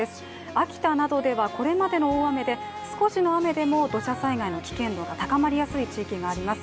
秋田などでは、これまでの大雨で少しの雨でも土砂災害の危険度が高まりやすい地域があります。